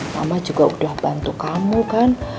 mama juga udah bantu kamu kan